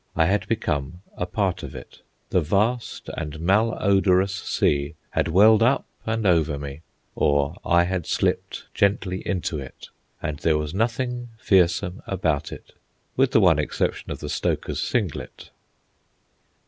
I had become a part of it. The vast and malodorous sea had welled up and over me, or I had slipped gently into it, and there was nothing fearsome about it—with the one exception of the stoker's singlet.